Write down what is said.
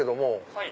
はい。